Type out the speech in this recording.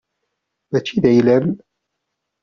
Mačči d ayla-m.